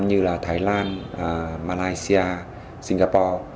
như là thái lan malaysia singapore